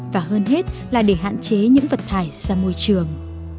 và hơn hết là để hạn chế những vật thải ra môi trường